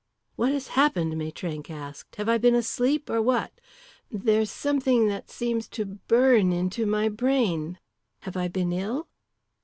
"What has happened?" Maitrank asked. "Have I been asleep or what? There's something that seems to burn into my brain. Have I been ill?"